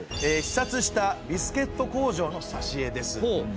視察したビスケット工場のさしえです。